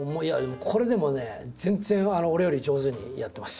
これでもね全然俺より上手にやってます。